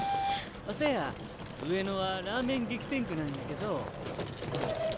せや上野はラーメン激戦区なんやけど。